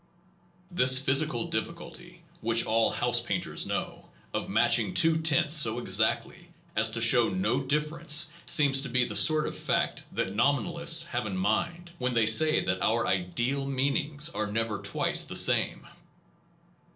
This physical difficulty (which all house painters know) of matching two tints so exactly as to show no difference seems to be the sort of fact that nominalists have in mind when they say that our ideal meanings are never twice the same.